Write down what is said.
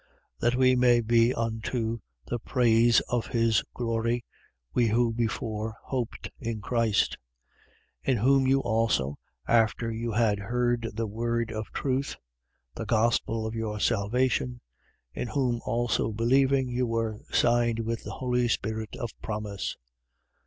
1:12. That we may be unto the praise of his glory: we who before hoped in Christ: 1:13. In whom you also, after you had heard the word of truth (the gospel of your salvation), in whom also believing, you were signed with the holy Spirit of promise.